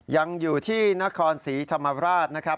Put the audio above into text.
ยังอยู่ที่นครศรีธรรมราชนะครับ